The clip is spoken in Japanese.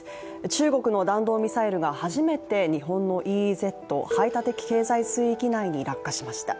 中国の弾道ミサイルが初めて日本のＥＥＺ＝排他的経済水域内に落下しました。